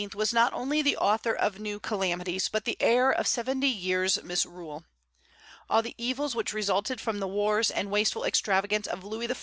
was not only the author of new calamities, but the heir of seventy years' misrule. All the evils which resulted from the wars and wasteful extravagance of Louis XIV.